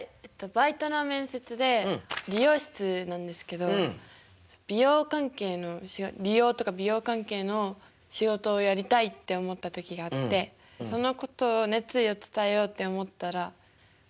バイトの面接で理容室なんですけど美容関係の理容とか美容関係の仕事をやりたいって思った時があってそのことを熱意を伝えようって思ったら合格。